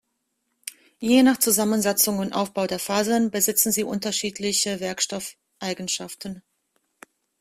Je nach Zusammensetzung und Aufbau der Fasern besitzen sie unterschiedliche Werkstoffeigenschaften.